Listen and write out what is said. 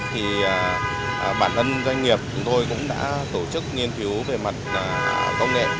thì bản thân doanh nghiệp chúng tôi cũng đã tổ chức nghiên cứu về mặt công nghệ